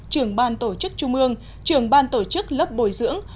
trưởng ban tổ chức trung ương trưởng ban tổ chức lớp bồi dưỡng